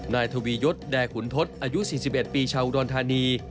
นายทวียศแด่ขุนทศอายุ๔๑ปีชาวอุดรธานี